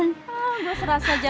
loh udah ke marked